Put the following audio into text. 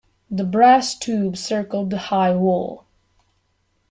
The brass tube circled the high wall.